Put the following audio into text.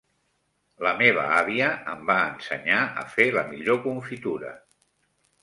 La meva àvia em va ensenyar a fer la millor confitura.